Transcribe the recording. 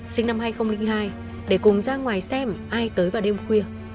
sinh năm hai nghìn hai để cùng ra ngoài xem ai tới vào đêm khuya